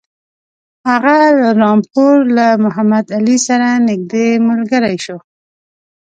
هغه له رامپور له محمدعلي سره نیژدې ملګری شو.